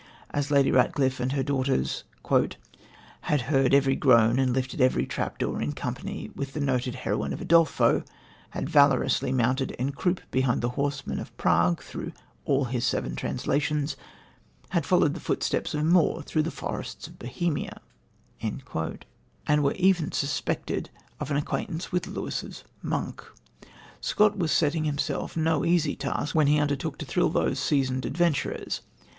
As Lady Ratcliffe and her daughters "had heard every groan and lifted every trapdoor in company with the noted heroine of Udolpho, had valorously mounted en croupe behind the horseman of Prague through all his seven translators, had followed the footsteps of Moor through the forests of Bohemia," and were even suspected of an acquaintance with Lewis's Monk, Scott was setting himself no easy task when he undertook to thrill these seasoned adventurers.